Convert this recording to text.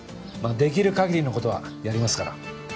まあできるかぎりのことはやりますから。